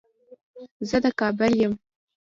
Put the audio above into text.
زه د کابل يم